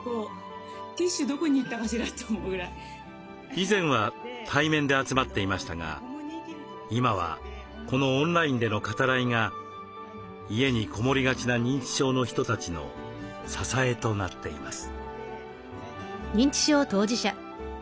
以前は対面で集まっていましたが今はこのオンラインでの語らいが家にこもりがちな認知症の人たちの支えとなっています。